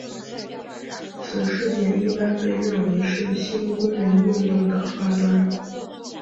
此事件一般被认为是新公民运动的发端。